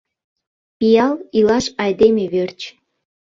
Пиал — илаш айдеме верч